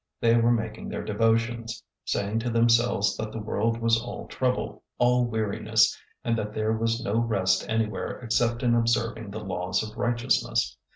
They were making their devotions, saying to themselves that the world was all trouble, all weariness, and that there was no rest anywhere except in observing the laws of righteousness.